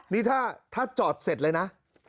นี่ถ้าจอดเสร็จเลยนะ